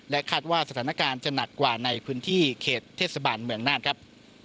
คาดว่าสถานการณ์จะหนักกว่าในพื้นที่เขตเทศบาลเมืองน่านครับ